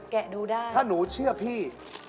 ดูได้ถ้าหนูเชื่อพี่